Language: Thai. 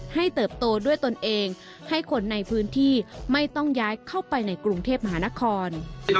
เติบโตด้วยตนเองให้คนในพื้นที่ไม่ต้องย้ายเข้าไปในกรุงเทพมหานคร